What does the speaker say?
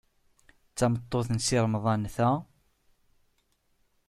D tameṭṭut n Si Remḍan, ta?